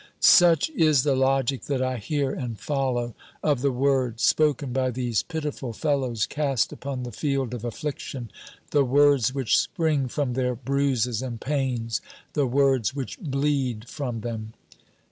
Such is the logic that I hear and follow of the words, spoken by these pitiful fellows cast upon the field of affliction, the words which spring from their bruises and pains, the words which bleed from them.